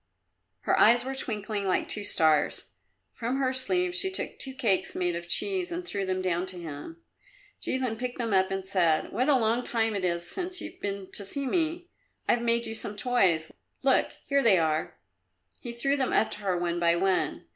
Her eyes were twinkling like two stars. From her sleeve she took two cakes made of cheese and threw them down to him. Jilin picked them up and said, "What a long time it is since you've been to see me! I've made you some toys. Look, here they are!" He threw them up to her one by one.